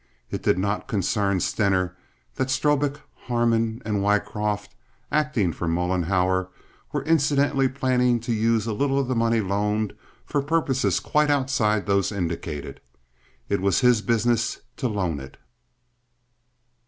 It did not concern Stener that Strobik, Harmon, and Wycroft, acting for Mollenhauer, were incidentally planning to use a little of the money loaned for purposes quite outside those indicated. It was his business to loan it.